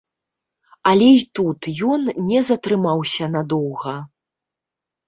Але і тут ён не затрымаўся надоўга.